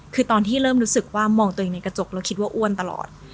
คือตอนที่เริ่มรู้สึกว่ามองตัวเองในกระจกแล้วคิดว่าอ้วนตลอด